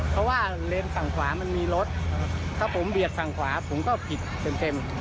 เพราะว่าเลนส์ฝั่งขวามันมีรถถ้าผมเบียดฝั่งขวาผมก็ผิดเต็ม